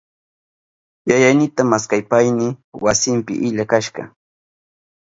Yayaynita maskashpayni wasinpi illa kashka.